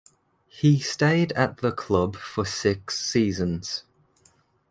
He stayed at the club for six seasons.